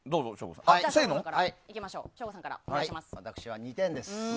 私は２点です。